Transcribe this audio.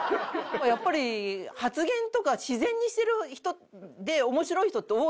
やっぱり発言とか自然にしてる人で面白い人って多いんですよ